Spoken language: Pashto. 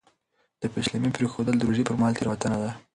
د پېشلمي پرېښودل د روژې پر مهال تېروتنه ده.